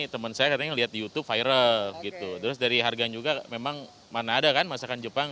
temen saya katanya lihat youtube viral gitu terus dari harga juga memang mana ada kan masakan jepang